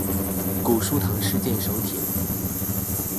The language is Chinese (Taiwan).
古書堂事件手帖